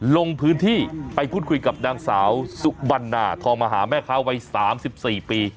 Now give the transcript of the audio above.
ลงพื้นที่ไปพูดคุยกับนางสาวสุบันนาทองมหาแม่ค้าวัย๓๔ปี